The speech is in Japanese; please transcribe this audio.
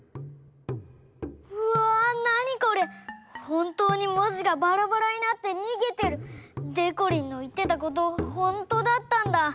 ほんとうに文字がバラバラになってにげてる。でこりんのいってたことほんとだったんだ。